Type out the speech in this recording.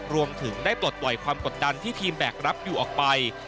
รวมถึงได้ปลดปล่อยความกดดันที่ทีมแบกรับอยู่ออกไป